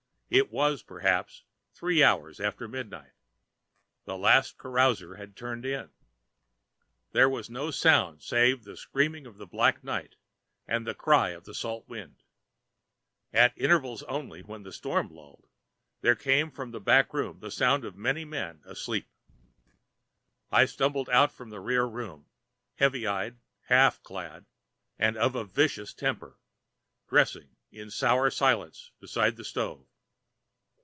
It was, perhaps, three hours after midnight. The last carouser had turned in. There was no sound save the scream of the black night and the cry of the salt wind. At intervals only, when the storm lulled, there came from the back room the sound of many men asleep. I stumbled out from the rear room, heavy eyed, half clad, and of a vicious temper, dressing in sour silence beside the stove.